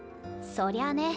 そりゃあね。